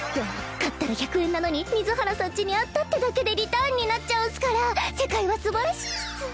買ったら１００円なのに水原さん家にあったってだけでリターンになっちゃうんスから世界はすばらしいっス。